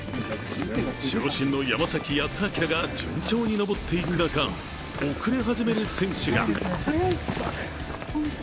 守護神の山崎康晃らが順調に登っていく中、遅れ始める選手が。